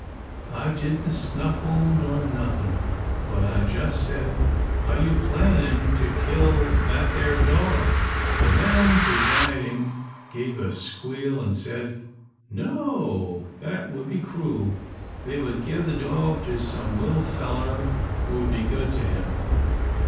I didn't snuffle nor nothin', but I just said, 'Are you plannin' to kill that there dog?' "The mam pressiding gave a squeal an' said, 'No, that would be cruel. They would give the dog to some little feller who would be good to him.'